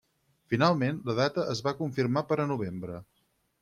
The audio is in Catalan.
Finalment la data es va confirmar per a novembre.